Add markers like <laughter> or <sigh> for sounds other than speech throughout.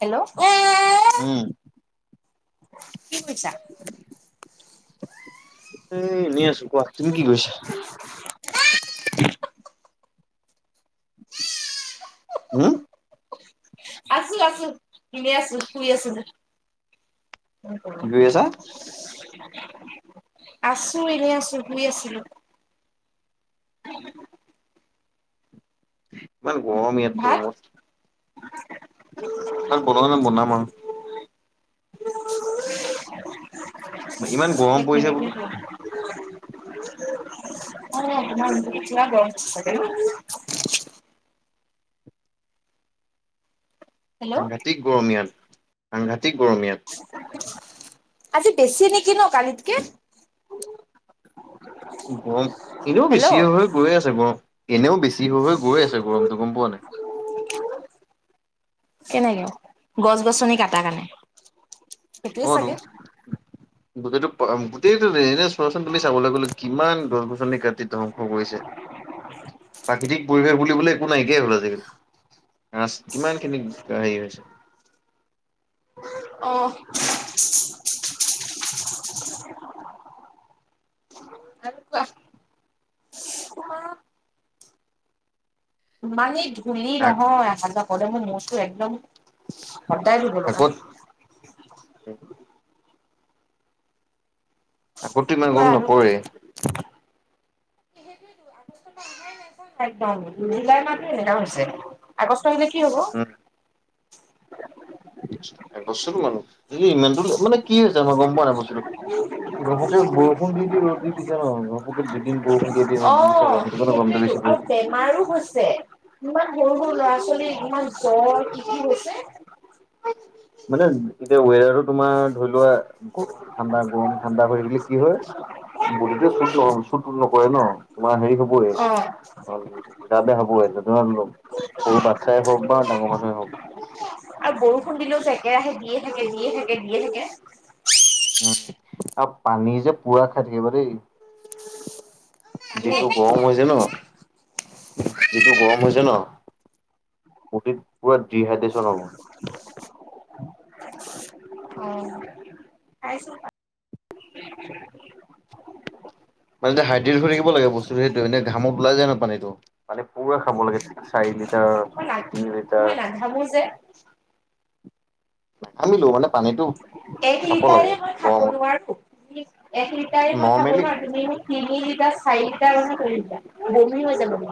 Hello? উম'। কি কৰিছা? উম' এনে আছো কোৱা, তুমি কি কৰিছা? <unintelligible> হুম'। আছো আছো, এনে আছো, শুই আছিলোঁ। কি কৰি আছা? <unintelligible> আছো এনে আছো, শুই আছিলোঁ। ইমান গৰম ইয়াত, ভাত ৰুমত। ভাত বনোৱা নাই, বনাম আৰু। ইমান গৰম পৰিছে বোলো। পুৰা <unintelligible> হেল্ল' সাংঘাতিক গৰম ইয়াত, সাংঘাটিক গৰম ইয়াত। আজি বেছি নেকি ন, কালিতকে। গৰম এনেও হেল্ল' বেছি হৈ হৈ গৈ আছে গৰম, এনেও বেছি হৈ হৈ গৈ আছে গৰমটো গম পোৱা নাই। <unintelligible> কেনেকে, গছ গছনি কাটা কৰণে, সেইটোয়ে অতো। চাগে। গোটেইটো গোটেইটো এনে চোৱাচোন তুমি চাবলে গ'লে কিমান গছ গছনি কাটি ধ্বংস কৰিছে, প্ৰাকৃতিক পৰিৱেশ বুলিবলে একো নাইকিয়াই হ'ল আজিকালি, ৰাছ কিমানখিনি হেৰি হৈছে। অ'। <unintelligible> আৰু কোৱা? তোমাৰ ইমানে ধূলি আগ- নহয় আহা যোৱা কৰোঁতে, মোৰ মূৰটো একদম সদায় আগত <unintelligible> <inaudible> আগতটো ইমান কোৱা গৰম আৰু নপৰেই। কোৱা একদম জুলাই মাহটো এনেকা হৈছে আগষ্টৰ আহিলে কি হ'ব উম <unintelligible> বস্তুটো <unintelligible> ইমানটো মানে কি হৈছে মই গম পোৱা নাই বস্তুটো ঘপকে বৰষুণ দি দি ৰ'দ দি দিছে ন, ঘপকে দুদিন বৰষুণ দি এদিন ৰ'দ দি দিছে অ', <unintelligible> <unintelligible> গৰমটো সেইটোয়েতো বেছি পৰ আৰু বেমাৰো হৈছে ইমান সৰু সৰু ল'ৰা ছোৱালী ইমান জ্বৰ কি কি হৈছে মানে এতিয়া ৱেডাৰটো তোমাৰ ধৰি লোৱা গৰম ঠাণ্ডা গৰম ঠাণ্ডা হৈ থাকিলে কি হয় বডিটোৱে চ্যুট নহ চ্যুট নকৰে ন তোমাৰ হেৰি হ'বই গা বেয়া হ'বই ধ ধৰা সৰু বাচ্ছাই হওক বা ডাঙৰ মানুহেই হওক আৰু বৰষুণ দিলেও যে একেৰাহে দিয়ে থাকে দিয়ে থাকে দিয়ে থাকে উম আৰু পানী যে পুৰা খাই থাকিবা দেই পানী। যিটো গৰম হৈছে ন যিটো গৰম হৈছে ন বডীত পুৰা ডিহাইড্ৰেশ্যন হ'ব অ'। <inaudible> মানে হাইড্ৰেত হৈ থাকিব লাগে বস্তুটো সেইটোৱে মানে ঘামত ওলাই যায় ন পানীটো মানে পুৰা খাব লাগে চাৰি লিটাৰ মই তিনি লিটাৰ মই নাঘামো যে আনিলো মানে পানীটো এক খাব লাগে লিটাৰে মই খাব গৰমত নোৱাৰোঁ। ঠিক এক লিটাৰে মই খাব নৰ্মেলি নোৱাৰোঁ তুমি মোক তিনি লিটাৰ চাৰি লিটাৰৰ কথা কৈ দিছা বমি হৈ যাব মোৰ।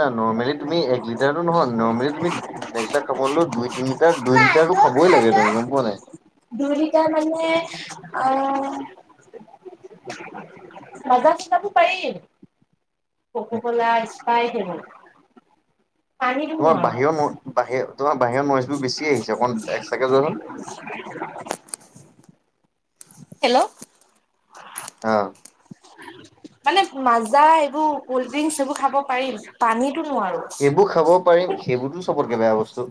নাই নৰ্মেলি তুমি এক লিটাৰটো নহয় নৰ্মেলি তুমি এক লিটাৰ খাব নোৱাৰিলেও দুই তিনি লিটাৰ, দুই লিটাৰটো খাবই লাগে তুমি গম পোৱা নাই দুই লিটাৰ মানে আ মাজা চাজাবোৰ পাৰি কক'কলা, স্প্ৰাইট সেইবোৰ পানীটো তোমাৰ নোৱাৰো। বাহিৰৰ ন বাহিৰ তোমাৰ বাহিৰৰ নইজবোৰ বেছি আহিছে অকণমান এক্সট্ৰাকে যোৱাচোন <inaudible> হেল্ল' অ মানে মাজা এইবোৰ কল্ড ড্ৰিংকচ এইবোৰ খাব পাৰিম পানীতো নোৱাৰোঁ। এইবোৰ খাব পাৰিম সেইবোৰতো চবতকে বেয়া বস্তু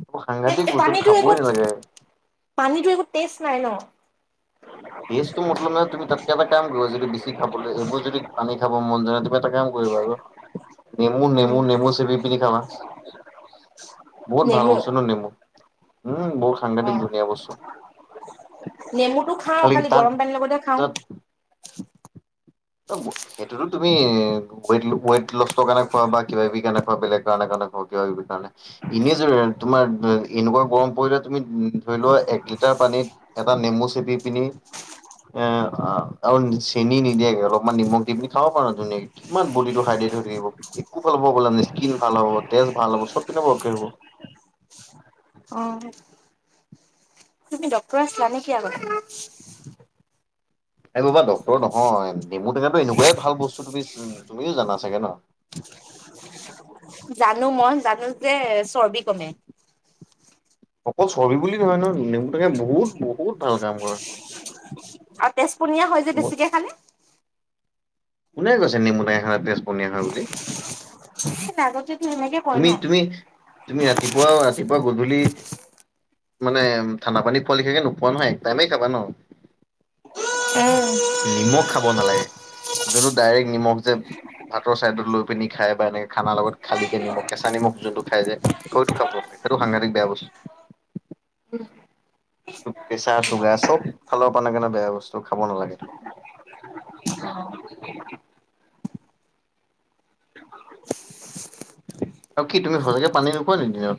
এইবোৰ সাংঘাতিক বস্তু পানীতো একো খাবই নালাগে পানীতো একো টেষ্ট নাই ন টেষ্টটো মতলব নাই তুমি তাতকে এটা কাম কৰিবা যদি বেছি খাবলৈ এইবোৰ যদি পানী খাব মন যায় তুমি এটা কাম কৰিবা আৰু <inaudible> নেমু নেমু উম, নেমু চেপি পিনি খাবা বহুত ভাল নেমু বস্তু ন নেমু উম বহুত অ সাংঘাতিক ধুনীয়া বস্তু নেমুটো খাওঁ খালি গৰম পানীৰ লগতহে খাওঁ অ' সেইটোতো তুমি ৱেইট লো, ৱেইট লষ্টৰ কাৰণে খোৱা বা কিবাকিবি কাৰণে খোৱা বেলেগ কাৰণে কাৰণে হওঁক কিবাকিবি কাৰণে এনেযদি তোমাৰ এ এনেকুৱা গৰম পৰিলে তুমি উম ধৰি লোৱা এক লিটাৰ পানীত এটা নেমু চেপি পিনি এ অ' আৰু চেনি নিদিয়াকে অলপমান নিমখ দি পিনি খাব পাৰো ধুনীয়াকে কিমান বডিটো হাইড্ৰেট হৈ থাকিব একো ভাল <unintelligible> স্কিন ভাল হ'ব তেজ ভাল হব চব পিনৰ পৰা অ'কে হ'ব। অ'। তুমি ডক্তৰ আছিলা নে কি আগতে? এই বাবা ডক্তৰ নহয়, নেমু টেঙাটো এনেকুৱাই ভাল বস্তু তুমি তুমিও জানা চাগে ন। জানো মই জানো যে চৰ্বি কমে। অকল চৰ্বি বুলি নহয় ন নেমু টেঙাই বহুত বহুত ভাল কাম কৰে। আৰু তেজপনীয়া হয় যে ব- বেছিকে খালে কোনে কৈছে নেমু টেঙা খালে তেজপনীয়া হয় বুলি? আগতেটো এনেকে তুমি, তুমি, তুমি ৰাতিপুৱাও ৰাতিপুৱা গধূলি মানে ঠাণ্ডা পানী খোৱা লিখোকে নোখোৱা নহয়, এক টাইমেই খাবা ন। উম। নিমখ খাব নালাগে। যোনটো ডাইৰেক্ট নিমখ যে ভাতৰ চাইডত লৈ পিনি খাই বা এনেকে খানা লগত খালি। নিমখ, কেঁচা নিমখ যোনটো খায় যে সৈইটো খাব নালাগে সাংঘতিক বেয়া বস্তু। প্ৰেচাৰ চুগাৰ চব ফালৰ পা <unintelligible> বেয়া বস্তু খাব নালাগে। <unintelligible> অ'। অ', কি তুমি সঁচাকে পানী নোখোৱা নেকি দিনত?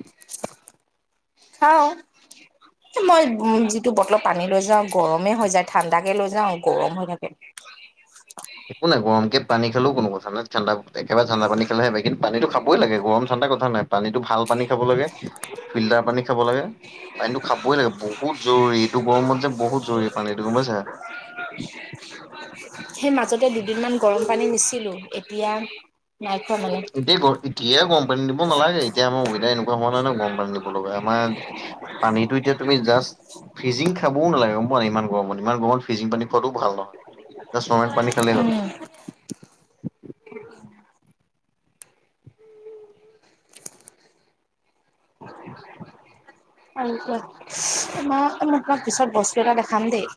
খাও। মই উম যিটো বটলত পানী লৈ যাওঁ গৰমে হৈ যায়, ঠাণ্ডাকে লৈ যাওঁ গৰম হৈ থাকে। একো নাই গৰমকে পানী খালেও কোনো কথা নাই, ঠাণ্ডা একেবাৰে ঠাণ্ডা পানী খালেহে বেয়া। কিন্তু পানী খাবই লাগে গৰম ঠাণ্ডা কথা নাই। পানীটো ভাল পানী খাব লাগে, ফিল্টাৰ পানী খাব লাগে। পানীটো খাবই লাগে বহুত জৰুৰী, এইটো গৰমত যে বহুত জৰুৰী পানীটো গম পাইছা। সেই মাজতে দুদিনমান গৰম পানী নিছিলোঁ। এতিয়া নাই খোৱা মানে? এতিয়াই, এতিয়া গৰম পানী নিব নালাগে। এতিয়া আমাৰ ওৱেডাৰ এনেকুৱা হোৱা নাই নহয় ন গৰম পানী নিব লগা। আমাৰ পানীটো এতিয়া তুমি জাষ্ট। ফ্ৰিজিং খাবও নালাগে গম পোৱা নে ইমান গৰমত, ইমান গৰমত ফ্ৰিজিং পানী খোৱাটোও ভাল নহয়। জাষ্ট নৰমেল পানী খালেই হ'ল। উম আৰু কোৱা, <unintelligible> অ' মা, অ' মা তোমাক পিছত বস্তু এটা দেখাম দেই।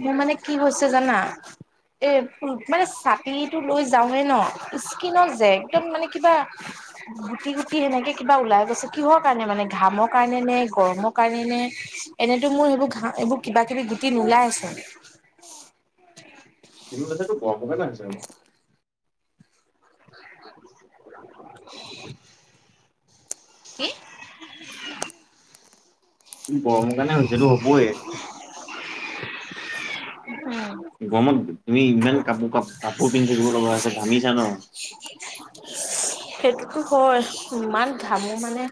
মোৰ মানে কি হৈছে জানা, এই মানে ছাতিটো লৈ যাওঁৱেই ন। কিনো যে একদম মানে কিবা গুটি গুটি সেনেকে কিবা ওলাই গৈছে। কিহৰ কাৰণে মানে ঘামৰ কাৰণে নে, গৰমৰ কাৰণে নে। এনেতো মোৰ হেইবোৰ ঘা এইবোৰ কিবা কিবি গুটি নোলায়েই চোন। এইবোৰ <unintelligible> গৰমৰ সোমোৱা কাৰণে হৈছে আৰু গৰমৰ কাৰণে হৈছে, এইটো হ'বয়ে। গৰমত তুমি ইমান কাপোৰ কাপ কাপোৰ পিন্ধি থাকিব লগা, হৈছে ঘামিছা ন। এইটো হয় ইমান ঘামো মানে।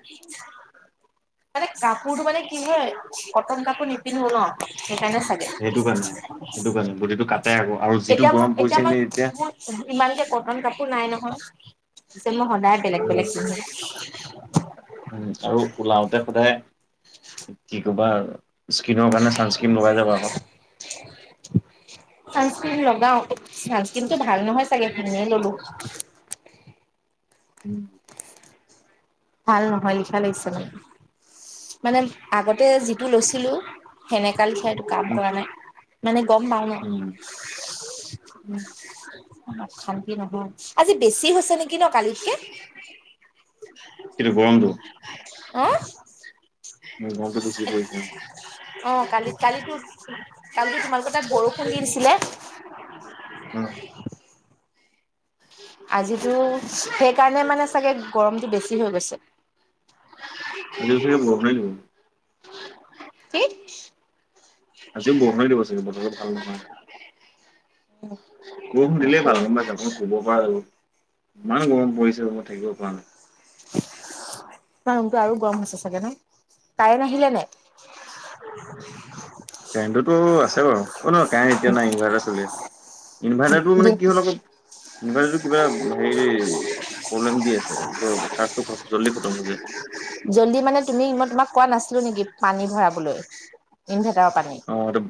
মানে কাপোৰটো মানে কি হয়, কটন কাপোৰ নিপিন্ধো ন সেইকাৰণে ছাগে। সেইটো কাৰণে, সেইটো কাৰণে বডিটো কাটে আকৌ আৰু যিটো এতিয়া মই গৰম পৰিছে মই <unintelligible> এতিয়া। মোৰ ইমানকে কটন কাপোৰ নাই নহয়, যে মই সদায় বেলেগ উম বেলেগ পিন্ধিম। উম আৰু ওলাওতে সদায়। কি ক'বা আৰু স্কিনৰ কাৰণে চানস্ক্ৰীম লগাই যাবা আকৌ। চানস্ক্ৰীম লগাও, চানস্ক্ৰীম টো ভাল নহয় চাগে এনেয়ে ললোঁ। উম' ভাল নহয় লিখা লাগিছে মানে, মানে আগতে যিটো লৈছিলোঁ সেনেকা লিখা এইটো কাম কৰা নাই মানে গম পাওঁ ন। উম। ইমান অশান্তি নহয়, আজি বেছি হৈছে নেকি ন কালিত কে। কিটো গৰমটো অ'হ উম' গৰমটো বেছি পৰিছে আৰু। অ'হ কালি কালিতো কালি তোমালোকৰ তাত বৰষুণ দি দিছিলে। উম' আজিতো সেইকাৰণে মানে চাগে গৰমটো বেছি হৈ গৈছে। আজিও চাগে বৰষুণে দিব। কি? আজিও বৰষুণে দিব চাগে, বতৰটো ভাল নহয়। উম' বৰষুণ দিলেই ভাল সেইটোয়ে। গম পাইছা অকণ শুব পৰা আৰু ইমানে গৰম পৰিছে ৰুমত থাকিব পৰা নাই। তোমাৰ ৰুমটো আৰু গৰম হৈছে চাগে ন, কাৰেন্ট আহিলে নে নাই? <unintelligible> কাৰেণ্টটো তো আছে বাৰু, অ'হ নহয় কাৰেণ্ট এতিয়া নাই, ইনভাৰ্টাৰ চলি আছে। ইনভাৰ্টাৰটো মানে কি হ'ল আকৌ ইনভাৰ্টাৰটো কিবা হেৰি প্ৰব্লেম দি আছে, য চাৰ্জটো জল্দি খতম হৈ যায়। জল্দি মানে তুমি, মই তোমাক কোৱা নাছিলোঁ নেকি পানী ভৰাবলৈ, ইনভাৰ্টাৰৰ পানী। অ' এইটো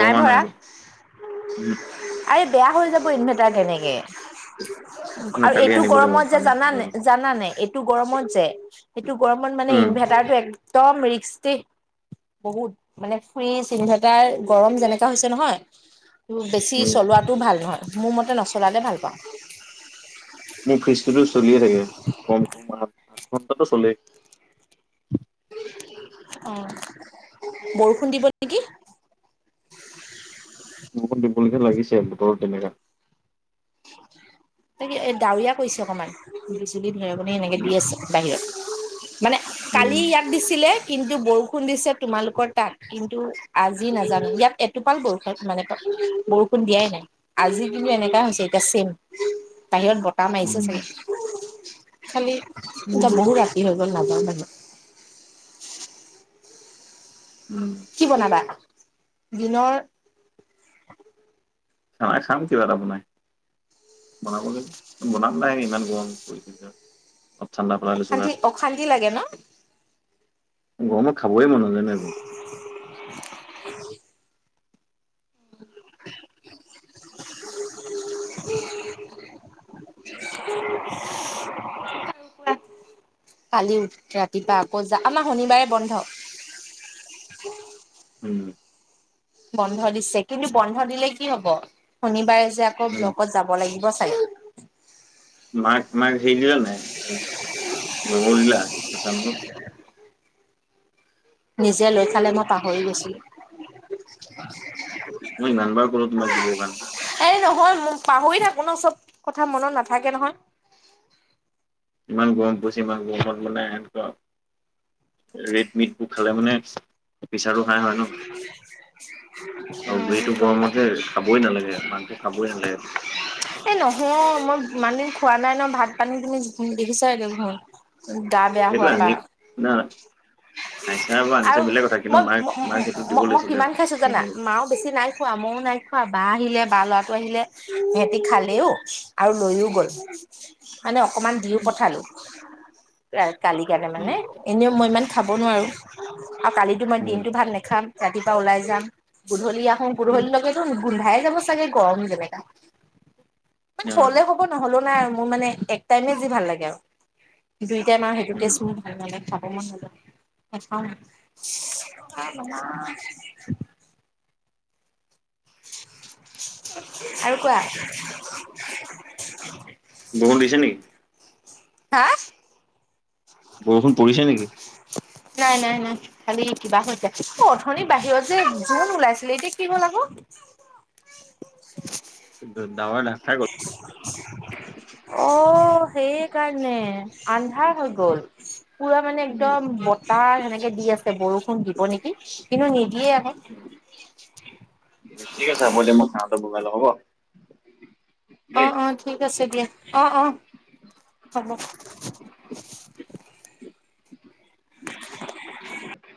নাই ভৰা, আৰে বেয়া হৈ যাব ইনভাৰ্টাৰ তেনেকে। আৰু ন কালি এইটো আনিব লাগিব গৰমত যে পানী জানা নে ভৰাব জানা নে এইটো গৰমত যে, এইটো গৰমত মানে উম ইনভাৰ্টাৰটো এক একদম ৰিক্সি দে, বহুত মানে ফ্ৰীজ, ইনৰ্ভাটাৰ গৰম যেনেকা হৈছে নহয় বেছি উম চলোৱাটো ভাল নহয়, মোৰ মতে নচলালে ভাল পাওঁ। মোৰ ফ্ৰিজটোতো চলিয়ে থাকে, কম-কম আঠ-আঠ ঘণ্টাটো চলেই। অ' বৰষুণ দিব। নে কি? বৰষুণ দিবলিখীয়া লাগিছে, বতৰ তেনেকা। তাকে এই ডাৱৰীয়া কৰিছে অকমান, বিজুলী, ধেৰেকনি সেনেকে দি আছে বাহিৰত। মানে উম কালি ইয়াত দিছিলে, কিন্তু বৰষুণ দিছে তোমালোকৰ তাত। কিন্তু আজি নাজানোঁ, ইয়াত এটোপাল বৰষুণ মানে বৰষুণ দিয়াই নাই। আজি কিন্তু এনেকাই হৈছে এতিয়া ছেম, বাহিৰত বতাহ মাৰিছে উম চাগে। খালি উম এতিয়া বহুত উম ৰাতি হৈ গ'ল নাযাওঁ বাহিৰত। উম' কি বনাবা? দিনৰ অ' খাম কিবা এটা বনাই। বনাবলৈ, বনাম নাই, ইমান গৰম পৰিছে এতিয়া। অশান্তি, অশান্তি লাগে ন? গৰমত খাবই মন নাযায় ন সেইবোৰ। হয় <unintelligible> <unintelligible> <unintelligible> কালি উম, ৰাতিপুৱা আকৌ যা আমাৰ শনিবাৰে বন্ধ উম। বন্ধ দিছে, কিন্তু বন্ধ দিলে কি হ'ব, শনিবাৰে যে আকৌ উম ব্লকত যাব লাগিব চাগে। মাক, মাক হেৰি দিলা নাই, এ নহৰু দিলা, কেচা নহৰু। নিজে লৈ খালে, মই পাহৰি গৈছিলোঁ। মই ইমান বাৰ ক'লো তোমাক দিবৰ কাৰণে। এই নহয়, পাহৰি থাকো ন, চব কথা মনত নাথাকে নহয়। ইমান গৰম পৰিছে, ইমান গৰমত মানে এনেকুৱা ৰেড মিটতো খালে মানে, প্ৰেচাৰটো হাই হয় ন আৰু উম এইটো গম পা গৰমত যে, খাবই নালাগে, মাংস খাবই নালাগে। অ', মই ইমান দিন খোৱা নাই ন ভাত পানী, দেখিছা দেখোন ঘৰত। গা বেয়া সেইটো হোৱা আনি পাৰা। না আনিছা বা আনিছা আৰু বেলেগ কথা কিন্তু মই, মাক মাক সেইটো দিব মই লাগিছিলে কিমান খাইছো জানা, উম মাওঁ বেছি নাই খোৱা, মইওঁ নাই খোৱা বা আহিলে বা লৰাটো আহিলে, সিহঁতি খালেওঁ, আৰু লৈওঁ গল। মানে অকমান দিওঁ উম পঠালো, কালি কাৰণে উম মানে এনেওঁ মই ইমান খাব নোৱাৰোঁ, আৰু কালিতো মই উম দিনটো ভাত নাখাম ৰাতিপুৱা ওলাই যাম, গধূলি আহো, উম গধূলিৰ লগতো গোন্ধাই যাব চাগে, গৰম যেনেকা। মানে অ হ'লে হ'ব নহ'লেও নাই, আৰু মোৰ মানে এক টাইমে যি ভাল লাগে আৰু। কিন্তু এতিয়া মাৰ উম সেইটোকেচোন নহ'লে খাব নাযাব, নাখাও মই, <unintelligible> আৰু কোৱা। বৰষুণ দিছে নেকি? হা? বৰষুণ পৰিছে নেকি? নাই, নাই, নাই। খালি কিবা হৈছে, অ', অথনিৰ বাহিৰত যে জোন ওলাইছিলে, এতিয়া কি হ'ল আকৌ। <unintelligible> <unintelligible> অ', সেইকাৰণে আন্ধাৰ হৈ গ'ল। পুৰা মানে উম, একদম বতাহ সেনেকে দি আছে, বৰষুণ দিব নেকি কিন্তু, নিদিয়ে আকৌ। ঠিক আছে, হ'ব দিয়া মই <unintelligible> বগাই লম হ'ব। দেই। অ', অ', ঠিক আছে দিয়া অ', অ', হ'ব।